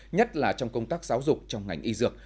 nhất là trong công tác giáo dục trong ngành y dược